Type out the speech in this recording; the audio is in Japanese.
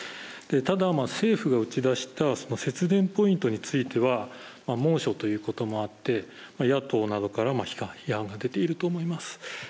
ただ、政府が打ち出した節電ポイントについては猛暑ということもあって、野党などから批判が出ていると思います。